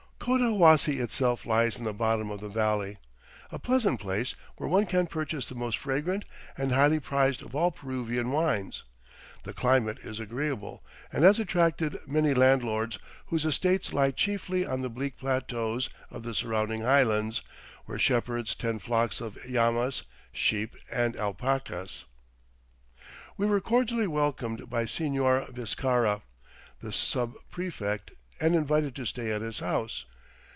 Cotahuasi itself lies in the bottom of the valley, a pleasant place where one can purchase the most fragrant and highly prized of all Peruvian wines. The climate is agreeable, and has attracted many landlords, whose estates lie chiefly on the bleak plateaus of the surrounding highlands, where shepherds tend flocks of llamas, sheep, and alpacas. We were cordially welcomed by Señor Viscarra, the sub prefect, and invited to stay at his house.